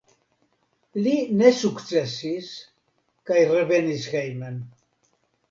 Li ne sukcesis kaj revenis hejmen.